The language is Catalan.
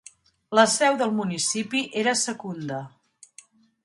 La seu del municipi era Secunda.